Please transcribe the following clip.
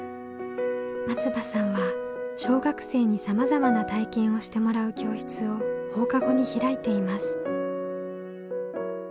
松場さんは小学生にさまざまな体験をしてもらう教室を放課後に開いています。